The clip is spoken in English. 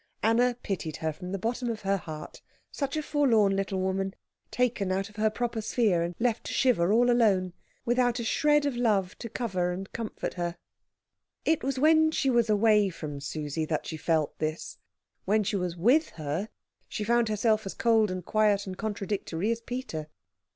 Anna pitied her from the bottom of her heart; such a forlorn little woman, taken out of her proper sphere, and left to shiver all alone, without a shred of love to cover and comfort her. It was when she was away from Susie that she felt this. When she was with her, she found herself as cold and quiet and contradictory as Peter.